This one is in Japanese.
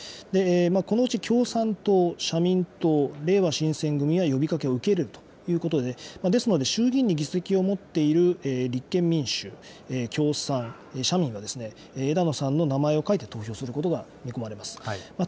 このうち共産党、社民党、れいわ新選組は呼びかけを受けるということで、ですので、衆議院に議席を持っている立憲民主、共産、社民が枝野さんの名前を書いて投票することが見込まれます。